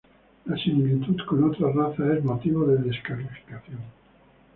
La similitud con otras razas es motivo de descalificación.